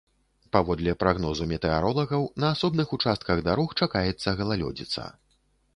Паводле прагнозу метэаролагаў, на асобных участках дарог чакаецца галалёдзіца.